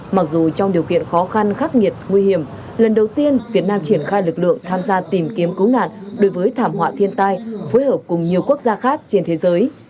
mặc dù trong điều kiện khó khăn khắc nghiệt nguy hiểm lần đầu tiên việt nam triển khai lực lượng tham gia tìm kiếm cứu nạn đối với thảm họa thiên tai phối hợp cùng nhiều quốc gia khác trên thế giới